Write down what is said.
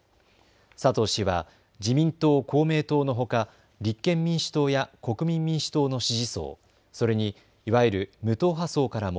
佐藤氏は自民党、公明党のほか立憲民主党や国民民主党の支持層、それにいわゆる無党派層からも